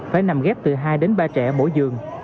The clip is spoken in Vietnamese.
phải nằm ghép từ hai đến ba trẻ mỗi giường